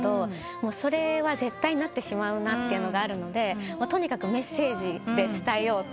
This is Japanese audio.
それは絶対なってしまうなってあるのでとにかくメッセージで伝えようという。